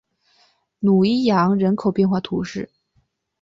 努伊扬人口变化图示